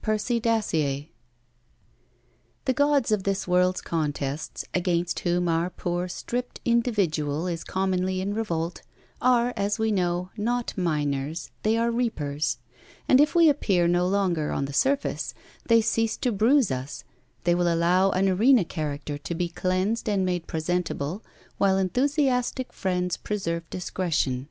PERCY DACIER The Gods of this world's contests, against whom our poor stripped individual is commonly in revolt, are, as we know, not miners, they are reapers; and if we appear no longer on the surface, they cease to bruise us: they will allow an arena character to be cleansed and made presentable while enthusiastic friends preserve discretion.